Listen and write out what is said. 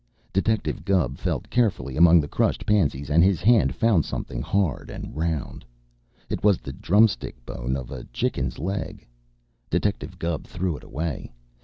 Detective Gubb felt carefully among the crushed pansies, and his hand found something hard and round. It was the drumstick bone of a chicken's leg. Detective Gubb threw it away.